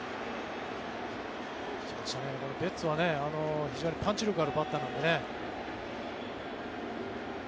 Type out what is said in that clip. ベッツは非常にパンチ力があるバッターなのでね。